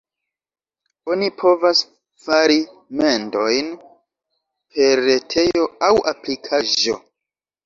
Oni povas fari mendojn per retejo aŭ aplikaĵo.